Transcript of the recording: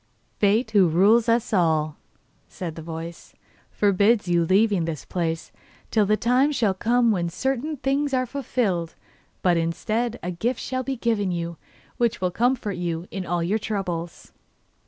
'Fate, who rules us all,' said the voice, 'forbids your leaving this place till the time shall come when certain things are fulfilled. But, instead, a gift shall be given you, which will comfort you in all your troubles.